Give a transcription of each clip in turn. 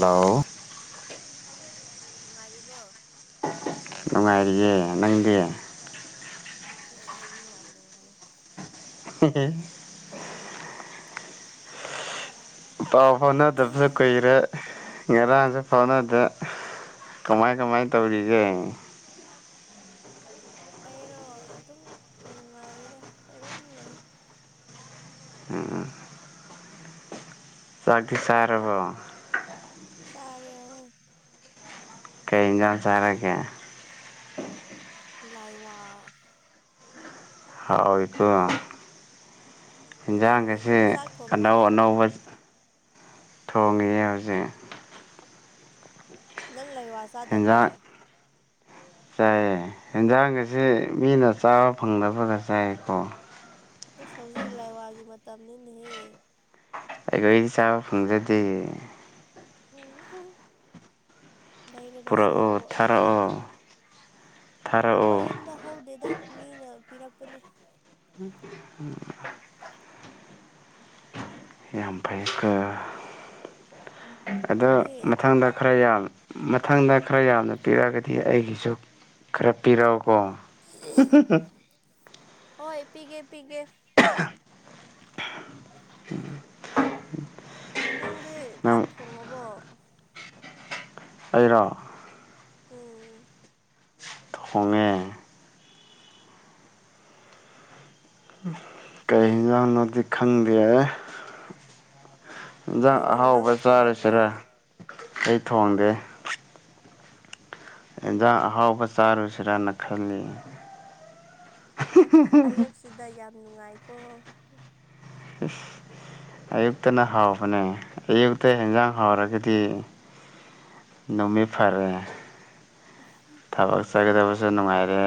hello ꯅꯨꯉꯥꯏꯔꯤꯕꯣ ꯅꯨꯡꯉꯥꯏꯔꯤꯌꯦ ꯅꯪꯗꯤ ꯑꯩꯗꯤ ꯌꯥꯝ ꯅꯨꯡꯉꯥꯏ ꯍꯤꯍꯦ ꯄꯥꯎ ꯐꯥꯎꯅꯗꯕ ꯀꯨꯏꯔꯦ ꯉꯔꯥꯡꯁꯨ ꯐꯥꯎꯅꯗꯔꯦ ꯀꯃꯥꯏ ꯀꯃꯥꯏ ꯇꯧꯔꯤꯒꯦ ꯑꯩꯔꯣ ꯑꯗꯨꯝ ꯅꯨꯡꯉꯥꯏꯌꯦ ꯑꯗꯨꯝ ꯂꯩ ꯆꯥꯛꯇꯤ ꯆꯥꯔ꯭ꯕꯣ ꯆꯥꯔꯦ ꯍꯣꯏ ꯀꯩ ꯏꯟꯁꯥꯡ ꯆꯥꯔꯒꯦ ꯂꯥꯏꯋꯥ ꯍꯥꯎꯣꯏꯁꯨ ꯑꯦꯟꯖꯥꯡ ꯍꯣꯏ ꯑꯁꯤ ꯅꯪꯗꯤ ꯆꯥꯛ ꯑꯅꯧ ꯊꯣꯡꯉꯕꯣ ꯑꯅꯧꯕ ꯊꯣꯡꯉꯤꯦ ꯍꯧꯖꯤꯛ ꯅꯪ ꯂꯩꯋꯥ ꯆꯥꯗꯕ꯭ꯔꯣ ꯍꯦꯟꯖꯥꯡ ꯆꯥꯏꯌꯦ ꯌꯦꯟꯖꯥꯡ ꯑꯁꯤꯦ ꯃꯤꯅ ꯆꯥꯕ ꯐꯪꯗꯕꯗ ꯆꯥꯏꯀꯣ ꯑꯦꯁ ꯍꯧꯖꯤꯛ ꯂꯥꯏꯋꯥꯒꯤ ꯃꯇꯝꯅꯤꯅꯦꯍꯦ ꯑꯩꯈꯣꯏꯗꯤ ꯆꯥꯕ ꯐꯪꯖꯗꯦ ꯑ ꯂꯩꯔꯒ ꯄꯨꯔꯛꯑꯣ ꯆꯥꯛꯋ ꯑꯗꯨꯗꯤ ꯊꯥꯔꯛꯑꯣ ꯑꯩꯈꯣꯏ ꯊꯥꯔꯛꯑꯣ ꯌꯨꯝꯗ ꯍꯧꯗꯦꯗ ꯃꯤꯅ ꯄꯤꯔꯛꯄꯅꯦ ꯌꯥꯝ ꯐꯩꯀꯣ ꯑꯗꯣ ꯅꯪꯗꯤ ꯃꯊꯪꯗ ꯈꯔ ꯌꯥꯝ ꯃꯊꯪꯗ ꯈꯔ ꯌꯥꯝꯅ ꯄꯤꯔꯛꯑꯒꯗꯤ ꯑꯩꯒꯤꯁꯨ ꯈꯔ ꯄꯤꯔꯧꯎ ꯀꯣ ꯍꯣꯏ ꯄꯤꯒꯦ ꯄꯤꯒꯦ ꯅꯪꯗꯤ ꯆꯥꯛ ꯅꯪ ꯊꯣꯡꯉꯕꯣ ꯑꯦꯔꯣ ꯎꯝ ꯊꯣꯡꯉꯦ ꯀꯩꯅꯣꯗꯤ ꯈꯪꯗꯦ ꯌꯦꯟꯖꯥꯡ ꯀꯩꯅꯣ ꯑꯍꯥꯎꯕ ꯅꯪꯅ ꯆꯥꯔꯁꯤꯔ ꯊꯣꯡꯗꯕ꯭ꯔꯣ ꯑꯩ ꯊꯣꯡꯒꯦ ꯖ ꯍꯥꯎꯕ ꯆꯥꯔ ꯎꯆꯁꯤꯔꯥꯅ ꯈꯂꯤ ꯑꯁ ꯑꯌꯨꯛꯁꯤꯗ ꯌꯥꯝ ꯅꯨꯡꯉꯥꯏꯀꯣ ꯑꯌꯨꯛꯇꯅ ꯍꯥꯎꯕꯅꯦ ꯑꯌꯨꯛꯇ ꯍꯟꯖꯥꯡ ꯍꯥꯎꯔꯒꯗꯤ ꯅꯨꯃꯤ ꯐꯔꯦ ꯎ ꯊꯕꯛ ꯆꯠꯒꯗꯕꯁꯨ ꯅꯨꯡꯉꯥꯏꯔꯦ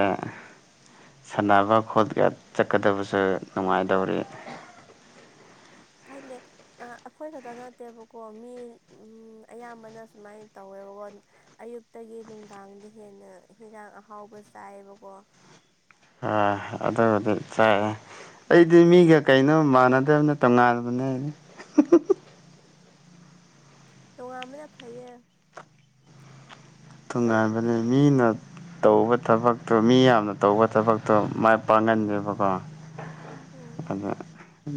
ꯁꯥꯟꯅꯕ ꯈꯣꯠꯀ ꯆꯠꯀꯗꯕꯁꯨ ꯅꯨꯡꯉꯥꯏꯗꯧꯔꯤ [unintelligible] ꯈꯪꯗꯦ ꯑꯩꯈꯣꯏ ꯈꯛꯇ ꯅꯠꯇꯦꯕꯀꯣ ꯃꯤ ꯎ ꯑꯌꯥꯝꯕꯅ ꯁꯨꯃꯥꯏꯅ ꯇꯧꯋꯦꯕ ꯑꯌꯨꯛꯇꯒꯤ ꯅꯨꯡꯗꯥꯡꯗ ꯍꯦꯟꯅ ꯍꯟꯖꯥꯡ ꯑꯍꯥꯎꯕ ꯆꯥꯏꯑꯕꯀꯣ [unintelligible] ꯑ ꯑꯗꯨꯕꯨꯗꯤ ꯆꯥꯏ ꯑꯩꯗꯤ ꯃꯤꯒ ꯀꯩꯅꯣꯝ ꯃꯥꯟꯅꯗꯕꯅ ꯇꯣꯉꯥꯟꯕꯅꯦ ꯇꯣꯉ ꯑꯃꯅ ꯐꯩꯌꯦ ꯇꯣꯉꯥꯏꯥꯟꯕꯅꯤ ꯃꯤꯅ ꯇꯧꯕ ꯊꯕꯛꯇꯣ ꯃꯤ ꯌꯥꯝꯅ ꯇꯧꯕ ꯊꯕꯛꯇꯣ ꯃꯥꯏ ꯄꯥꯡꯍꯟꯅꯦꯦꯕꯀꯣ ꯑ ꯎꯝ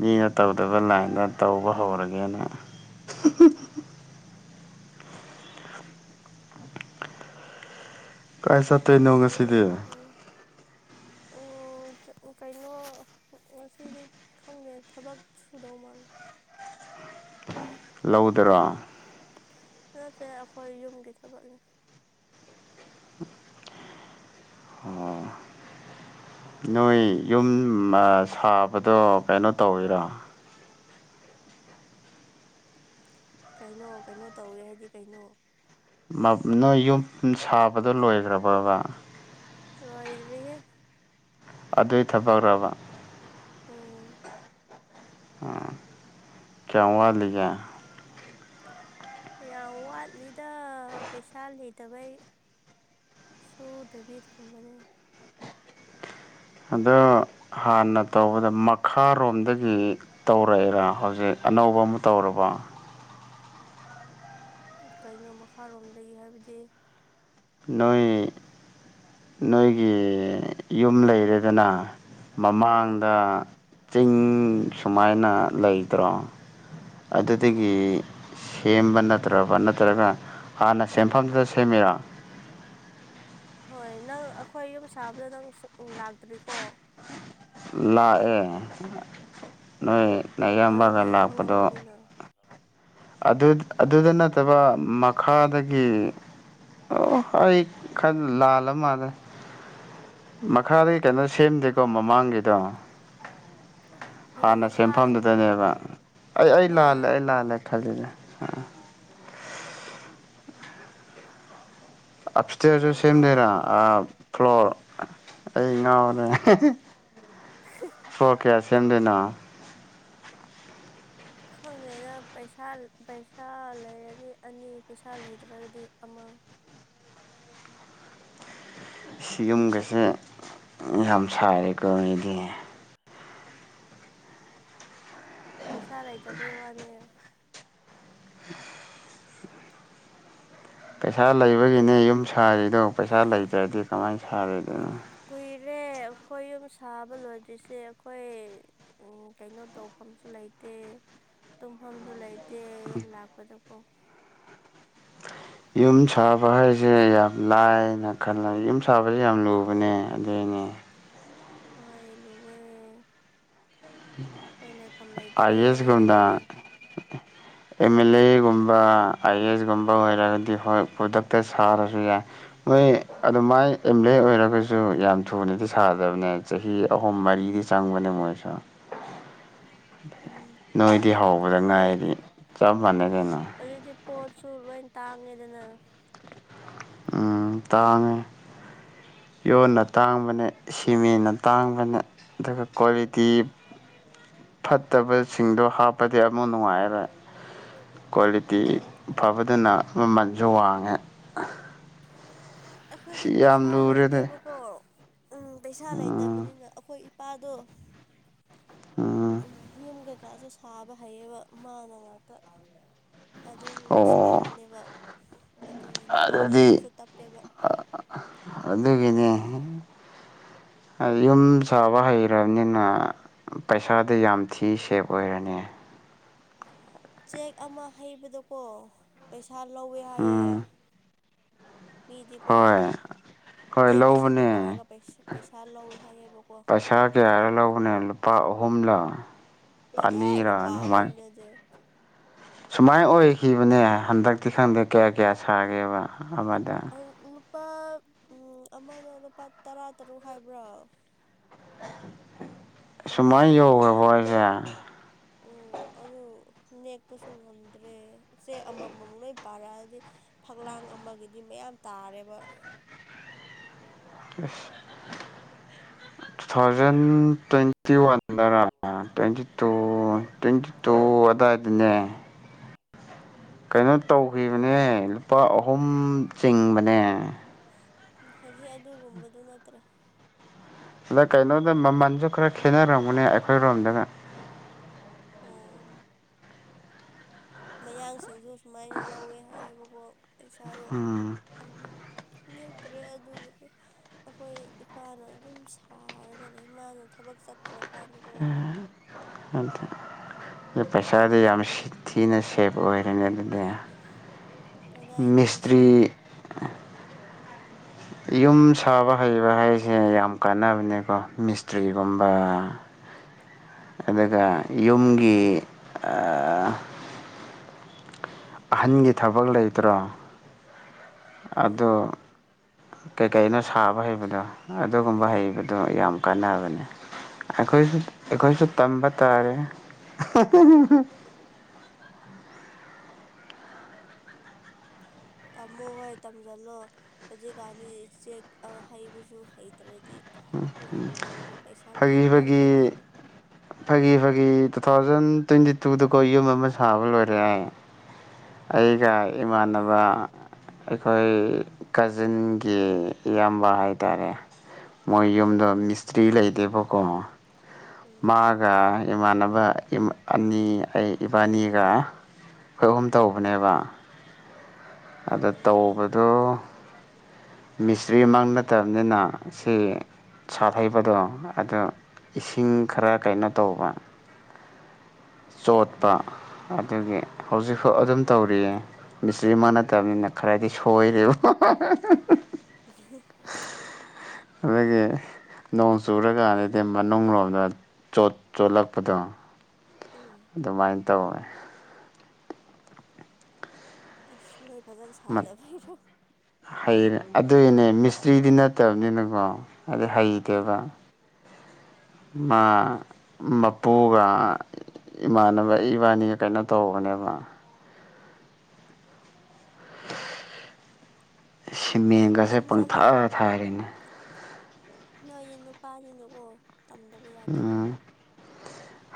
ꯃꯤꯅ ꯇꯧꯗꯕ ꯂꯥꯏꯟꯗ ꯇꯧꯕ ꯍꯧꯔꯒꯦꯅ [unintelligible] ꯀꯥꯏ ꯆꯠꯇꯣꯏꯅꯣ ꯉꯁꯤꯗꯤ ꯑꯣ ꯀꯩꯅꯣ ꯉꯁꯤꯗꯤ ꯈꯪꯗꯦ ꯊꯕꯛ ꯁꯨꯗꯧ ꯃꯥꯜꯂꯦ [unintelligible] ꯂꯧꯗꯔ ꯅꯠꯇꯦ ꯑꯩꯈꯣꯏ ꯌꯨꯝꯒꯤ ꯊꯕꯛꯅꯦ ꯅꯣꯏ ꯌꯨꯝ ꯁꯥꯕꯗꯣ ꯀꯩꯅꯣ ꯇꯧꯋꯤꯔꯣ ꯀꯩꯅꯣ ꯀꯩꯅꯣ ꯇꯧꯋꯦ ꯍꯥꯏꯗꯤ ꯀꯩꯅꯣ ꯅꯣꯏ ꯌꯨꯝ ꯁꯥꯕꯗꯣ ꯂꯣꯏꯈ꯭ꯔꯕꯕ ꯔꯣꯏꯗꯔꯤꯦ ꯑꯗꯨꯏ ꯊꯕꯛꯈꯕ ꯑꯣ ꯆꯜꯂꯤꯦ ꯌꯥꯝ ꯋꯥꯠꯂꯤꯗ ꯄꯩꯁꯥ ꯂꯤꯇꯕꯩ ꯁꯣꯗꯕꯤ ꯊꯥꯡꯕꯅꯦ ꯑꯗꯣ ꯍꯥꯟꯅ ꯇꯧꯕꯗ ꯃꯈꯥꯔꯣꯝꯗꯒꯤ ꯇꯧꯔꯛꯏꯔꯥ ꯍꯧꯖꯤꯛ ꯑꯅꯧꯕ ꯑꯃ ꯇꯧꯔꯕ ꯀꯩꯅꯣ ꯃꯈꯥꯔꯣꯝꯗꯒꯤ ꯍꯥꯏꯕꯗꯤ ꯅꯣꯏ ꯅꯣꯏꯒꯤ ꯌꯨꯝ ꯂꯩꯔꯦꯗꯅ ꯎꯝ ꯃꯃꯥꯡꯗ ꯆꯤꯡ ꯁꯨꯃꯥꯏꯅ ꯂꯩꯇ꯭ꯔꯣ ꯑꯗꯨꯗꯒꯤ ꯁꯦꯝꯕ ꯅꯠꯇ꯭ꯔꯕ ꯅꯠꯇ꯭ꯔꯒ ꯍꯥꯟꯅ ꯁꯦꯝꯦꯟꯐꯝꯗꯨꯗ ꯁꯦꯝꯃꯤꯔ ꯍꯣꯏ ꯅꯪ ꯑꯩꯈꯣꯏ ꯌꯨꯝ ꯁꯥꯕꯗ ꯅꯪ ꯁ ꯂꯥꯛꯇ꯭ꯔꯤꯀꯣ ꯂꯥꯛ ꯑꯦ ꯅꯣꯏ ꯅ ꯑꯌꯥꯝꯕꯒ ꯑꯗꯨꯗꯤ ꯂꯥꯛꯄꯗꯣ ꯈꯪꯉꯝꯒꯅꯤꯅ ꯑꯗꯨ ꯑꯗꯨꯗ ꯅꯠꯇꯕ ꯃꯈꯥꯗꯒꯤ ꯑꯩ ꯈꯔ ꯂꯥꯜꯂ ꯆꯞ ꯃꯥꯥꯟꯂꯦ ꯃꯈꯥꯗ ꯀꯩꯅꯣ ꯁꯦꯝꯗꯦꯀꯣ ꯃꯃꯥꯡꯒꯤꯗꯣ ꯀꯩꯅꯣ ꯍꯥꯟꯅ ꯃꯈꯥ ꯁꯦꯝꯦꯟꯐꯝꯗꯨꯗꯅꯦꯕ ꯑꯩ ꯑꯩ ꯍꯣꯏ ꯂꯥꯜꯂꯦ ꯑꯩ ꯂꯥꯜꯂꯦ ꯈꯖꯤꯅꯦ ꯑ ꯐꯤꯇꯁꯨ ꯅꯪ ꯁꯦꯝꯗꯦꯔꯥ ꯉꯥꯎꯔꯕꯣ ꯐ꯭ꯂꯣꯔ ꯑꯩ ꯉꯥꯎꯅꯦ ꯍꯣꯏ ꯁꯣꯛ ꯀꯌꯥ ꯁꯦꯝꯗꯣꯏꯅꯣ ꯈꯪꯉꯦꯅ ꯄꯩꯁꯥ ꯄꯩꯁꯥ ꯂꯩꯔꯗꯤ ꯑꯅꯤ ꯄꯩꯁꯥ ꯂꯩꯇ꯭ꯔꯒꯗꯤ ꯑꯃ [inaudible] ꯁꯤꯒꯨꯝꯒꯁꯦ ꯌꯥꯝ ꯁꯥꯔꯦꯀꯣꯗꯤ ꯄꯩꯁꯥ ꯂꯩꯇꯕꯩ ꯋꯥꯅꯦ ꯄꯩꯁꯥ ꯂꯩꯕꯒꯤꯅꯦ ꯌꯨꯝ ꯁꯥꯔꯤꯗꯣ ꯄꯩꯁꯥ ꯂꯩꯇ꯭ꯔꯗꯤ ꯀꯃꯥꯏꯅ ꯁꯥꯔꯤꯗꯅꯣ ꯔꯦ ꯑꯩꯈꯣꯏ ꯌꯨꯝ ꯁꯥꯕ ꯂꯣꯏꯗ꯭ꯔꯤꯁꯦ ꯑꯩꯈꯣꯏ ꯀꯩꯅꯣ ꯇꯧꯐꯝꯁꯨ ꯂꯩꯇꯦ ꯇꯨꯝꯐꯝꯁꯨ ꯂꯩꯇꯦ ꯌꯨꯝ ꯂꯥꯛꯄꯗꯀꯣ ꯌꯨꯝ ꯁꯥꯕ ꯍꯥꯏꯁꯦ ꯌꯥꯝ ꯂꯥꯏꯅ ꯈꯜꯂ ꯌꯨꯝ ꯁꯥꯕꯁꯦ ꯌꯥꯝ ꯂꯨꯕꯅꯦ ꯑꯗꯨꯏꯅꯦ ꯍꯣꯏ ꯂꯨꯋꯦ ꯑꯩꯈꯣꯏ ꯂꯩꯐꯝ ꯂꯩꯇ꯭ꯔꯦ ꯑꯥꯏ ꯑꯦꯁꯀꯗ ꯑꯗꯨꯅ ꯑꯦꯝ ꯑꯦꯜ ꯑꯦꯒꯨꯝꯕ ꯑꯥꯏ ꯑꯦ ꯑꯦꯁꯒꯨꯝꯕ ꯑꯣꯏꯔꯒꯗꯤ ꯍꯣꯏ ꯈꯨꯗꯛꯇ ꯁꯥꯔꯁꯨ ꯌꯥꯏ ꯑ [unintelligible] ꯑꯗꯣ ꯃꯥꯏ ꯑꯦꯝ ꯑꯦ ꯑꯦ ꯑꯣꯏꯔꯒꯁꯨ ꯌꯥꯝ ꯊꯨꯅꯗꯤ ꯁꯥꯗꯕꯅꯦ ꯆꯍꯤ ꯑꯍꯨꯝ ꯃꯔꯤꯗꯤ ꯆꯪꯕꯅꯦ ꯃꯣꯏꯁꯨ ꯑ [inaudible] ꯅꯣꯏꯗꯤ ꯍꯧꯕꯗ ꯉꯥꯏꯗꯤ ꯍꯧꯖꯤꯛꯇꯤ ꯆꯞ ꯃꯥꯟꯅꯩ ꯀꯩꯅꯣ ꯍꯧꯖꯤꯛꯇꯤ ꯄꯣꯠꯁꯨ ꯂꯣꯏ ꯇꯥꯡꯉꯦꯗꯅ ꯇꯥꯡꯉ ꯌꯣꯟꯅ ꯇꯥꯡꯕꯅꯦ ꯁꯤꯃꯦꯟꯅ ꯇꯥꯡꯕꯅꯦ ꯑꯗꯨꯒ ꯀ꯭ꯋꯥꯂꯤꯇꯤ [inaudible] ꯐꯠꯇꯕꯁꯤꯡꯗꯣ ꯍꯥꯞꯄꯗꯤ ꯑꯃꯨꯛ ꯅꯨꯡꯉꯥꯏꯔꯣꯏ ꯀ꯭ꯋꯥꯂꯤꯇꯤ ꯎꯝ ꯐꯕꯗꯨꯅ ꯃꯃꯜꯁꯨ ꯋꯥꯡꯉꯦ ꯑꯩꯈꯣꯏꯗꯤ ꯁꯤ ꯌꯥꯝ ꯄꯩꯁꯥ ꯂꯨꯔꯦꯗ ꯂꯩꯇꯦꯕꯀꯣ ꯎꯝ ꯄꯩꯁꯥ ꯎꯝ ꯂꯩꯇꯕꯅꯤꯅ ꯑꯩꯈꯣꯏ ꯄꯥꯗꯣ ꯑꯥ ꯀꯀꯥꯁꯨ ꯁꯥꯕ ꯍꯩꯌꯦꯕ ꯃꯥꯅ ꯉꯥꯛꯇ ꯑꯗꯨꯝ ꯑꯣ ꯁꯥꯕꯅꯦꯕ ꯑꯗꯨꯒꯤꯅꯦ ꯑꯗꯨꯗꯤ ꯇꯞꯁꯨ ꯇꯞꯄꯦꯕ ꯑꯗꯨꯒꯤꯅꯦ [inaudible] ꯌꯨꯝ ꯁꯥꯕ ꯍꯩꯔꯕꯅꯤꯅ ꯄꯩꯁꯥꯗꯤ ꯌꯥꯝ ꯊꯤ ꯁꯦꯞ ꯑꯣꯏꯔꯅꯤ ꯆꯦꯛ ꯑꯃ ꯍꯩꯕꯗꯣꯀꯣ ꯄꯩꯁꯥ ꯂꯧꯋꯦ ꯍꯥꯏꯌꯦ ꯎꯝ ꯃꯤꯗꯤꯄꯣ ꯍꯣꯏ ꯍꯣꯏ ꯂꯧꯕꯅꯦ ꯄꯩꯁꯥ ꯂꯧꯋꯦ ꯍꯥꯏꯌꯦꯕꯀꯣ ꯄꯩꯁꯥ ꯀꯌꯥꯔ ꯂꯧꯕꯅꯦ ꯂꯨꯄꯥ ꯑꯍꯨꯝ ꯍꯨꯝꯂ ꯅꯠꯇꯦꯍꯦ ꯂꯨꯄꯥ ꯑꯍꯨꯝꯗꯨꯗꯤ ꯁꯨꯃꯥꯏꯅ ꯑꯣꯏꯈꯤꯕꯅꯦ ꯍꯟꯗꯛꯇꯤ ꯈꯪꯗꯦ ꯀꯌꯥ ꯀꯌꯥ ꯁꯥꯒꯦꯕ ꯑꯃꯗ ꯂꯨꯄꯥ ꯎꯝ ꯑꯃꯅ ꯂꯨꯄꯥ ꯇꯔꯥ ꯇꯔꯨꯛ ꯍꯥꯏꯕ꯭ꯔꯥ ꯁꯨꯃꯥꯏ ꯁꯨꯃꯥꯏꯅ ꯍꯥꯏꯕꯅꯦ ꯌꯧꯈ꯭ꯔꯕꯣ ꯍꯥꯏꯁꯦ ꯎꯝ ꯑꯗꯨ ꯅꯦꯛꯄꯁꯨ ꯉꯝꯗ꯭ꯔꯦ ꯆꯦ ꯑꯃ ꯃꯝ ꯂꯣꯏ ꯄꯥꯔꯛꯑꯗꯤ ꯐꯛꯂꯥꯡ ꯑꯃꯒꯤꯗꯤ ꯃꯌꯥꯝ ꯇꯥꯔꯦꯕ ꯑꯁ ꯇꯨ ꯊꯥꯎꯖꯟ ꯇ꯭ꯋꯦꯟꯇꯤ ꯋꯥꯟꯗ ꯔ ꯇ꯭ꯋꯦꯟꯇꯤ ꯇꯨ ꯇ꯭ꯋꯦꯟꯇꯤ ꯇꯨ ꯑꯗꯥꯏꯗꯅꯦ ꯀꯩꯅꯣ ꯇꯧꯈꯤꯕꯅꯦ ꯂꯨꯄꯥ ꯑꯍꯨꯝ ꯆꯤꯡꯕꯅꯦ ꯍꯧꯖꯤꯛ ꯑꯗꯨꯒꯨꯝꯕꯗꯨ ꯅꯠꯇ꯭ꯔꯦ ꯑꯗ ꯀꯩꯅꯣꯗ ꯃꯃꯜꯁꯨ ꯈꯔ ꯈꯦꯠꯅꯔꯝꯒꯅꯦ ꯑꯩꯈꯣꯏꯔꯣꯝꯗꯅ ꯑꯣ ꯃꯌꯥꯡꯁꯤꯡꯁꯨ ꯁꯨꯃꯥꯏꯅ ꯂꯧꯋꯦ ꯍꯥꯏꯌꯦꯕꯀꯣ ꯄꯩꯁꯥꯗꯣ ꯎꯝ ꯑꯍꯨꯝ ꯅꯦꯛꯇ꯭ꯔꯦ ꯑꯗꯨꯒꯤꯗꯤ ꯑꯩꯈꯣꯏ ꯏꯄꯥꯅ ꯑꯗꯨꯝ ꯁꯥꯔꯒ ꯂꯩ ꯃꯥꯥꯅ ꯊꯕꯛ ꯆꯠꯇ꯭ꯔ ꯎꯝ ꯑ ꯄꯩꯁꯥꯗꯤ ꯌꯥꯝ ꯁꯤ ꯊꯤꯅ ꯁꯦꯞ ꯑꯣꯏꯔꯦꯅꯦ ꯑꯗꯨꯗꯤ ꯀꯗꯥꯏꯗꯒꯤ ꯁꯦꯕ ꯅꫭ ꯃꯤꯁꯇ꯭ꯔꯤ ꯌꯨꯝ ꯁꯥꯕ ꯍꯩꯕ ꯍꯥꯏꯁꯦ ꯌꯥꯝ ꯀꯥꯟꯅꯕꯅꯦꯀꯣ ꯃꯤꯁꯇ꯭ꯔꯤꯒꯨꯝꯕ [inaudible] ꯑꯗꯨꯒ ꯌꯨꯝꯒꯤ ꯑꯥ ꯑꯍꯟꯒꯤ ꯊꯕꯛ ꯂꯩꯇ꯭ꯔꯣ [inaudible] ꯑꯗꫭ ꯎꯝ ꯀꯩꯀꯩꯅꯣ ꯁꯥꯕ ꯍꯩꯕꯗꯣ ꯑꯗꯨꯒꯨꯝꯕ ꯍꯩꯕꯗꯣ ꯌꯥꯝ ꯀꯥꯟꯅꯕꯅꯦ ꯑꯩꯈꯣꯏꯁꯨ ꯑꯩꯈꯣꯏꯁꯨ ꯇꯝꯕ ꯇꯥꯔꯦ [inaudible] [inaudible] ꯇꯝꯃꯣ ꯍꯣꯏ ꯇꯝꯁꯤꯜꯂꯣ ꯍꯧꯖꯤꯛꯀꯥꯟꯗꯤ ꯆꯦꯛ ꯑ ꯍꯩꯕꯁꯨ ꯍꯩꯇ꯭ꯔꯗꯤ ꯎꯝ ꯌꯥꯝ ꯎꯝ ꯂꯨꯔꯕ ꯄꯩꯁꯥ ꯃꯌꯥꯝ ꯌꯥꯝ ꯐꯒꯤꯕꯒꯤ ꯆꯠꯇꯣꯏꯅꯦ ꯐꯒꯤꯕ ꯒꯤ ꯇꯨ ꯊꯥꯎꯖꯟ ꯇ꯭ꯋꯦꯟꯇꯤ ꯇꯨꯗꯀꯣ ꯌꯨꯝ ꯑꯃ ꯁꯥꯕ ꯂꯣꯏꯔꯦ ꯍꯥꯏ ꯑꯩꯒ ꯎꯝ ꯏꯃꯥꯟꯅꯕ ꯑꯩꯈꯣꯏ ꯀꯖꯤꯟꯒꯤ ꯏꯌꯥꯝꯕ ꯍꯥꯏꯇꯥꯔꯦ ꯃꯣꯏ ꯌꯨꯝꯗ ꯃꯤꯁꯇ꯭ꯔꯤ ꯂꯩꯇꯦꯕꯀꯣ ꯎꯝ ꯃꯥꯒ ꯏꯃꯥꯟꯅꯕ ꯑꯅꯤ ꯑꯩ ꯏꯕꯥꯅꯤ ꯒ ꯑꯩꯈꯣꯏ ꯑꯍꯨꯝ ꯇꯧꯕꯅꯦꯕ ꯑꯗ ꯎꯝ ꯇꯧꯕꯗꯨ ꯃꯤꯁꯇ꯭ꯔꯤ ꯃꯛ ꯅꯠꯇꯕꯅꯤꯅ ꯁꯦ ꯁꯥꯠ ꯍꯩꯕꯗꯣ ꯑꯗꯣ ꯏꯁꯤꯡ ꯈꯔ ꯀꯩꯅꯣ ꯇꯧꯕ ꯆꯣꯠꯄ ꯑꯗꯨꯒꯤ ꯍꯧꯖꯤꯛꯐꯥꯎ ꯑꯗꯨꯝ ꯇꯧꯔꯤꯌꯦ ꯃꯤꯁꯇ꯭ꯔꯤ ꯃꯛ ꯅꯠꯇꯕꯅꯤꯅ ꯈꯔꯗꯤ ꯁꯣꯏꯔꯦꯕ [inaudible] ꯑꯗꯨꯒꯤ ꯅꯣꯡ ꯆꯨꯔꯀꯥꯟꯗꯗꯤ ꯃꯅꯨꯡ ꯂꯣꯝꯗ ꯆꯣꯠ ꯆꫭꯠꯂꯛꯄꯗꯣ ꯎꯝ ꯑꯗꯨꯃꯥꯏꯅ ꯇꯧꯋꯦ ꯑꯁ ꯅꯣꯏ ꯐꯖꯟ ꯁꯥꯗ ꯕꯩꯔꯣ ꯍꯩꯔꯦ ꯑꯗꯨꯏꯅꯦ ꯃꯤꯁꯇ꯭ꯔꯤꯗꯤ ꯅꯠꯇꯕꯅꯤꯅꯀꯣ ꯍꯥꯏꯗꯤ ꯎꯝ ꯍꯩꯇꯦꯕ ꯃꯥ ꯃꯄꯨꯒ ꯏꯃꯥꯟꯅꯕ ꯏꯕꯥꯅꯤ ꯀꯩꯅꯣ ꯇꯧꯕꯅꯦꯕ ꯁꯤꯃꯦꯦꯟꯒꯁꯦ ꯄꯪꯊꯥ ꯊꯥꯔꯤꯅꯦ ꯅꯣꯏꯒꯤ ꯅꯨꯄꯥꯅꯤꯅꯨꯀꯣ ꯇꯝꯗꯕ ꯌꯥꯗꯕꯅꯦ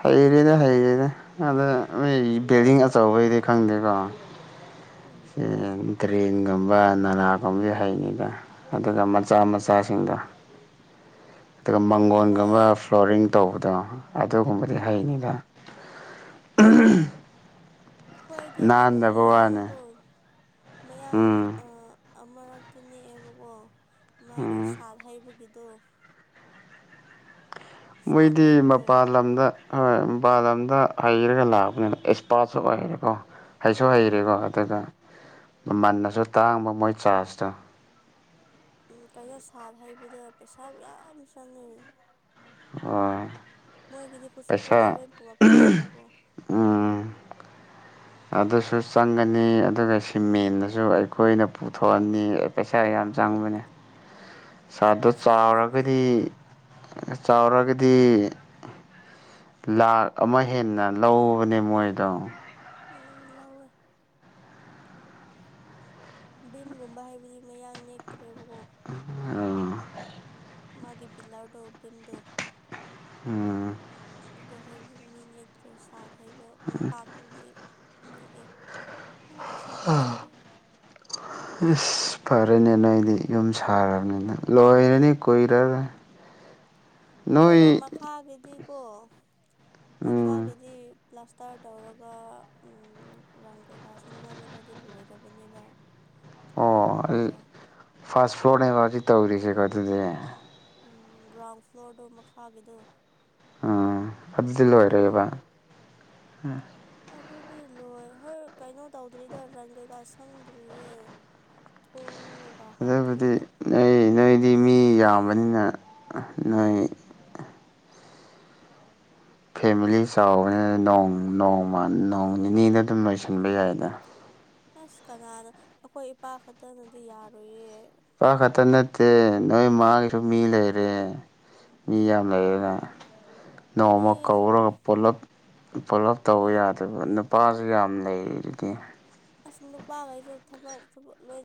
ꯍꯩꯔꯦꯅꯦ ꯍꯩꯔꯦꯅꯦ ꯑꯗ ꯅꯣꯏ ꯕꯤꯜꯗꯤꯡ ꯑꯆꯧꯕꯩꯗꯤ ꯈꯪꯗꯦꯀꯣ ꯎꯝ ꯎ ꯏ ꯇ꯭ꯔꯦꯟꯒꯨꯝꯕ ꯅꯅꯥꯥꯒꯨꯝꯕ ꯍꯩꯉꯤꯗ ꯑꯗꯨꯒ ꯃꯆꯥ ꯃꯆꯥꯁꯤꯡꯗꯣ [unintelligible] ꯑꯗꯨꯒ ꯑꯩꯈꯣꯏ ꯃꯪꯒꯣꯟꯒꯨꯝꯕ ꯐ꯭ꯂꯣꯔꯤꯡ ꯇꯧꯕꯗꯣ ꯑꯗꯨꯒꯨꯝꯕꯗꯤ ꯎꯝ ꯍꯩꯅꯤꯤꯗ ꯑꯝ ꯑꯩꯈꯣꯏꯗꯤ ꯀꯩꯅꯣ ꯃꯌꯥꯡꯗꯣ ꯃꯌꯥꯡ ꯎꯝ ꯑꯃꯨꯔꯛꯇꯤ ꯅꯦꯛꯑꯦꯕꯀꯣ ꯃꯥꯒꯤ ꯎꯝ ꯁꯥꯠ ꯍꯩꯕꯒꯤ ꯠꯇꯣ ꯃꯣꯏꯗꯤ ꯍꯩꯕꯗꯣ ꯃꯄꯥꯜ ꯂꯝꯗ ꯍꯣꯏ ꯃꯄꯥꯜ ꯂꯝꯗ ꯍꯩꯔꯒ ꯂꯥꯛꯑꯄꯅꯤꯅ ꯑꯦꯛꯁꯄꯥꯔꯠꯁꯨ ꯍꯩꯔꯦꯀꯣ ꯍꯩꯁꯨ ꯍꯩꯔꯦꯀꯣ ꯎꯝ ꯑꯗꯨꯒ ꯃꯟꯅꯁꯨ ꯇꯥꯡꯕ ꯃꯣꯏ ꯆꯥꯔꯖꯇꯣ ꯎꯝ ꯀꯩꯅꯣ ꯁꯥꯠ ꯍꯩꯕꯗ ꯄꯩꯁꯥ ꯌꯥꯝ ꯆꯪꯉꯦ ꯑꯣ ꯃꯣꯏꯒꯤꯗꯤ ꯈꯨꯠꯁꯨ ꯈꯨꯠꯂꯥꯏ ꯂꯣꯏ ꯄꯨꯔꯛꯇꯣꯏꯅꯤꯅꯀꯣ ꯎꯝ ꯑꯗꯨꯁꯨ ꯆꯪꯒꯅꯤ ꯑꯗꯨꯒ ꯁꯤꯃꯦꯟꯅꯁꯨ ꯑꯩꯈꯣꯏꯅ ꯄꯨꯊꯣꯛꯑꯅꯤ ꯄꯩꯁꯥ ꯌꯥꯝ ꯃ ꯆꯥꯡꯕꯅꯦ ꯀꯝ ꯁꯥꯔꯠꯇꯣ ꯆꯥꯎꯔꯒꯗꯤ ꯆꯥꯎꯔꯒꯗꯤ ꯂꯥꯈ ꯑꯃ ꯍꯦꯟꯅ ꯂꯧꯕꯅꯦ ꯃꯣꯏꯗꯣ ꯎꯝ ꯂꯧꯋꯦ ꯚꯝꯒꯨꯝꯕ ꯍꯥꯏꯕꯗꯤ ꯃꯌꯥꯡꯅꯤ ꯑ ꯃꯥꯒꯤ ꯕꯤꯂꯥꯔꯗꯣꯕꯝꯗꯨ ꯑꯗꯣ ꯍꯥꯏꯖꯤꯛ ꯃꯤ ꯅꯦꯛꯇ꯭ꯔꯦ ꯁꯥꯠ ꯍꯩꯕ ꯃꯄꯥꯛꯇꯨꯗꯤ ꯅꯦꯛꯑꯦ ꯑꯗꯨ ꯄꯩꯁꯥ ꯌꯥꯝ ꯑ ꯆꯪꯉꯦ ꯑꯁ ꯐꯔꯦꯅꯦ ꯅꯣꯏꯗꯤ ꯌꯨꯝ ꯁꯥꯔꯕꯅꯤꯅ ꯂꯣꯏꯔꯅꯤ ꯀꯨꯏꯔꯒ ꯑꯩꯈꯣꯏꯔꯣ ꯃꯈꯥꯒꯤꯗꯤ ꯎꯝ ꯃꯈꯥꯒꯤꯗꯤ ꯄ꯭ꯂꯥꯁ ꯍꯞꯇꯥꯔ ꯇꯧꯔꯒ ꯔꯪ ꯀꯩꯀꯥ ꯁꯪꯖꯜꯂꯒꯗꯤ ꯂꯣꯏꯔꯕꯅꯦꯕ ꯑꯣ ꯊꯣꯡ ꯑꯩ ꯍꯥꯞꯄꯒ ꯐꯥꯔꯁ ꯐ꯭ꯂꯣꯔꯅꯦꯐꯥꯎꯗꯤ ꯇꯧꯔꯤꯁꯦꯀꯣ ꯑꯗꯨꯗꯤ ꯎꯝ ꯒ꯭ꯔꯥꯎꯟ ꯐ꯭ꯂꯣꯔꯗꯣ ꯃꯈꯥꯒꯤꯗꯣ ꯎꯝ ꯑꯗꯨꯗꯤ ꯑꯗꯨ ꯂꯣꯏꯔꯦꯕ ꯎꯝ ꯑꯗꯨꯗꯤ ꯂꯣꯏ ꯍꯣꯏ ꯀꯩꯅꯣ ꯇꯧꯗ꯭ꯔꯤꯗ ꯔꯪ ꯀꯩꯀꯥ ꯁꯪꯗ꯭ꯔꯤꯌꯦ ꯊ ꯑꯗꯨꯕꯨꯗꯤ ꯅꯣꯏ ꯅꯣꯏꯗꯤ ꯃꯤ ꯌꯥꯝꯕꯅꯤꯅ ꯅꯣꯏ ꯐꯦꯃꯤꯂꯤ ꯆꯥꯎꯅꯤ ꯅꯣꯡ ꯅꯣꯡꯃ ꯅꯣꯡ ꯅꯤꯅꯤꯗ ꯑꯗꯨꯝ ꯂꯣꯏꯁꯤꯟꯕ ꯌꯥꯏꯗ ꯑꯁ ꯀꯅꯥꯅ ꯑꯩꯈꯣꯏ ꯏꯄꯥ ꯈꯛꯇꯅꯗꯤ ꯌꯥꯔꯨꯌꯦ ꯄ ꯈꯛꯇ ꯅꯠꯇꯦ ꯅꯣꯏ ꯃꯥꯒꯤꯁꯨ ꯃꯤ ꯂꯩꯔꯦ ꯃꯤ ꯌꯥꯝ ꯂꯩꯌꯦꯅ ꯅꯣꯡꯃ ꯃꯤꯁꯨ ꯀꯧꯔꯒ ꯄꯨꯂꯞ ꯄꯣꯂꯞ ꯇꯧꯕ ꯌꯥꯗꯕ ꯅꯨꯄꯥꯁꯨ ꯌꯥꯝ ꯂꯩꯔꯤꯗꯤ ꯑꯁ ꯅꯨꯄꯥꯈꯩꯁꯨ ꯊꯕꯛ ꯊꯕ ꯂꯣꯏ